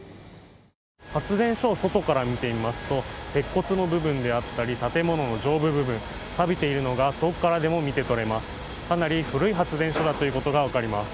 発電所を外から見てみますと鉄骨の部分であったり建物の上部部分、さびているのが遠くから見ても分かります。